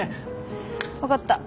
分かった。